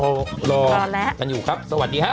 รอแล้วกันอยู่ครับสวัสดีครับ